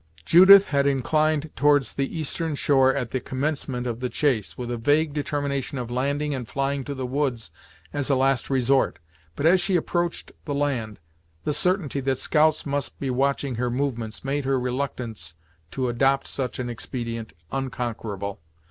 Judith had inclined towards the eastern shore at the commencement of the chase, with a vague determination of landing and flying to the woods as a last resort, but as she approached the land, the certainty that scouts must be watching her movements made her reluctance to adopt such an expedient unconquerable.